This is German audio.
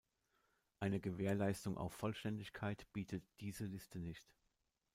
Eine Gewährleistung auf Vollständigkeit bietet diese Liste nicht.